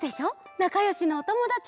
なかよしのおともだち。